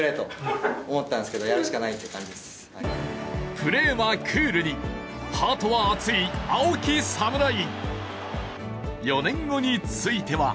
プレーはクールにハートは熱い青きサムライ。